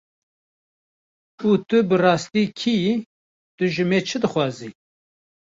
Û tu bi rastî kî yî, tu ji me çi dixwazî?